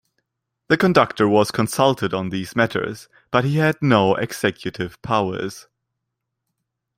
The conductor was consulted on these matters but he had no executive powers.